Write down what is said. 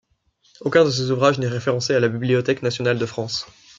Aucun de ses ouvrages n'est référencé à la Bibliothèque nationale de France.